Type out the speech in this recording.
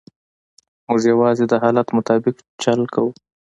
موږ یوازې د حالت مطابق چل کوو.